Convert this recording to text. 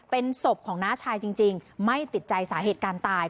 เป็นศพของน้าชายจริงไม่ติดใจสาเหตุการณ์ตาย